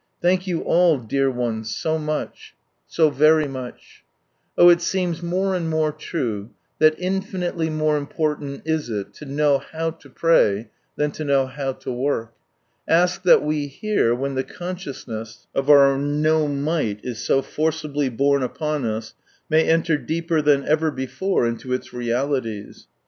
Thank you all, dear ones, so much," so very much I Oh, it seems more and more true that infinitely more important is it lo kntnv hmo to pray than to know how to work ; ask that we here, when the consciousness 82 From Sunrise Land of our '' DO might " is so forcibly borne upon us, may enter deeper than ever before into its realities.